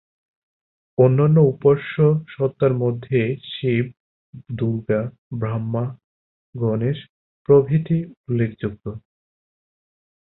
অন্যান্য উপাস্য সত্তার মধ্যে শিব, দুর্গা, ব্রহ্মা, গণেশ প্রভৃতি উল্লেখযোগ্য।